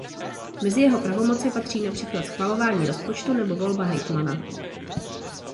Mezi jeho pravomoci patří například schvalování rozpočtu nebo volba hejtmana.